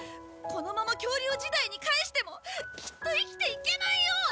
このまま恐竜時代に帰してもきっと生きていけないよ！